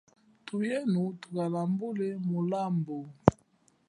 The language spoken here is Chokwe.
Thuyenu thukalambule mulambu.